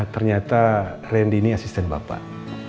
ternyata randy ini asisten bapak